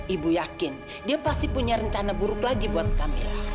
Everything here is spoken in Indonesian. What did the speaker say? ibu yakin dia pasti punya rencana buruk lagi buat kami